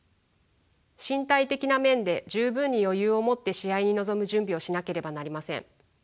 身体的な面で十分に余裕をもって試合に臨む準備をしなければなりません。